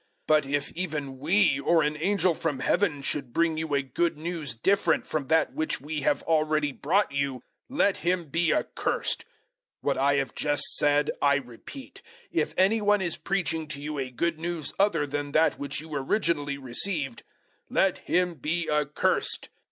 001:008 But if even we or an angel from Heaven should bring you a Good News different from that which we have already brought you, let him be accursed. 001:009 What I have just said I repeat if any one is preaching to you a Good News other than that which you originally received, let him be accursed.